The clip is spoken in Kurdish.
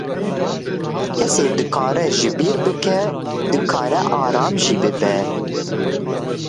Kesê dikare ji bîr bike, dikare aram jî bibe.